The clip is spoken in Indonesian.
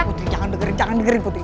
putri jangan dengerin jangan dengerin putri